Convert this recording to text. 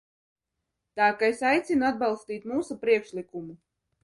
Tā ka es aicinu atbalstīt mūsu priekšlikumu.